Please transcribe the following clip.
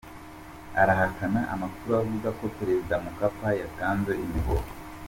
Arahakana amakuru avuga ko Perezida Mkapa yatanze imihoho.